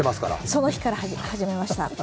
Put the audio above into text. その日から始めました。